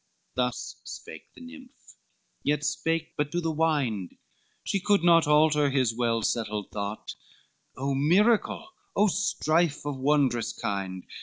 XXXI Thus spake the nymph, yet spake but to the wind, She could not alter his well settled thought; O miracle! O strife of wondrous kind!